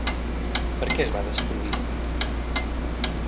Per què es va destruir?